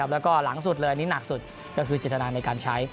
แล้วก็หลังสุดเลยอันนี้หนักสุดก็คือเจตนาในการใช้